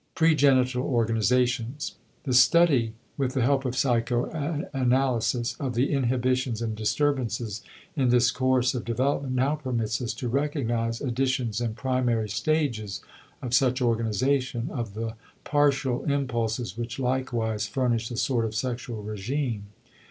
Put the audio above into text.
*Pregenital Organizations.* The study, with the help of psychoanalysis, of the inhibitions and disturbances in this course of development now permits us to recognize additions and primary stages of such organization of the partial impulses which likewise furnish a sort of sexual regime.